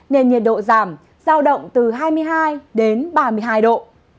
nên nhiệt độ giảm giao động từ hai mươi hai đến ba mươi hai độ